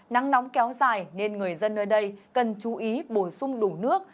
nắng nóng kéo dài nên người dân nơi đây cần chú ý bổ sung đủ nước